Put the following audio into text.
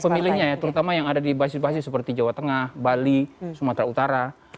pemilihnya ya terutama yang ada di basir basis seperti jawa tengah bali sumatera utara